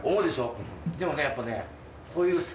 でもねやっぱね。